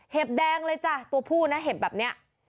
แดงเลยจ้ะตัวผู้นะเห็บแบบนี้